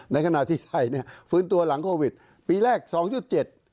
ในขณะที่ไทยเนี่ยฟื้นตัวหลังโควิดปีแรกสองจุดเจ็ด